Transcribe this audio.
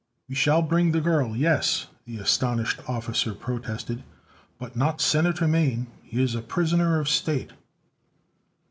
"We shall bring the girl, yes," the astonished officer protested, "but not Senator Mane. He is a prisoner of state."